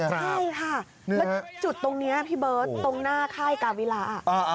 ใช่ค่ะแล้วจุดตรงนี้พี่เบิร์ตตรงหน้าค่ายกาวิระ